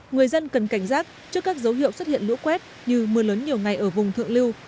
người dân cần cảnh giác trước các dấu hiệu xuất hiện lũ quét như mưa lớn nhiều ngày ở vùng thượng lưu